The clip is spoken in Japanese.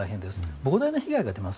膨大な被害が出ます。